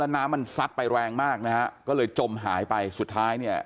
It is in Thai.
แล้วน้ำมันซัดไปแรงมากก็เลยจมหายไปสุดท้าย